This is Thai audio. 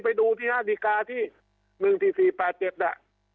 ไปดูที่๕ดีการ์ที่๑ที่๔๘เจ็บนะ